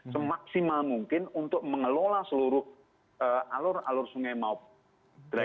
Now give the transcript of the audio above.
semaksimal mungkin untuk mengelola seluruh alur alur sungai maupun